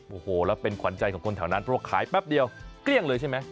โอ้โหแล้วเป็นขวัญใจของคนแถวนั้นเพราะว่าขายแป๊บเดียวเกลี้ยงเลยใช่ไหม